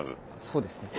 そうですね。